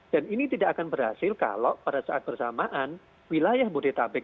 dan ini tidak akan berhasil kalau pada saat bersamaan wilayah bodetabek